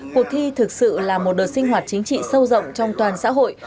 cuộc thi thực sự là một đợt sinh hoạt chính trị sâu rộng trong toàn xã hội